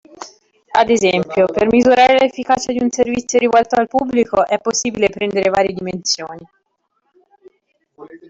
Ad esempio, per misurare l'efficacia di un servizio rivolto al pubblico è possibile prendere varie dimensioni.